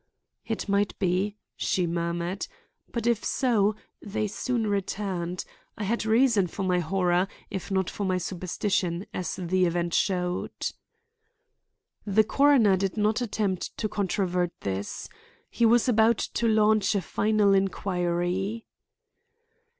"It might be;" she murmured; "but if so, they soon returned. I had reason for my horror, if not for my superstition, as the event showed." The coroner did not attempt to controvert this. He was about to launch a final inquiry.